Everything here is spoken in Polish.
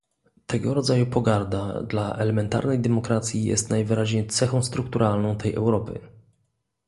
Tego rodzaju pogarda dla elementarnej demokracji jest najwyraźniej cechą strukturalną tej Europy